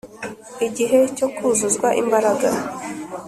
igihe cyo kuzuzwa imbaraga.